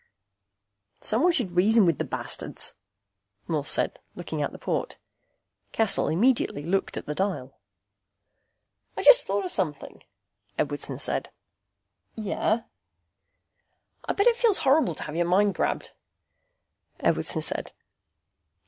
"Someone should reason with the bastards," Morse said, looking out the port. Cassel immediately looked at the dial. "I just thought of something," Edwardson said. "Yeh?" "I bet it feels horrible to have your mind grabbed," Edwardson said.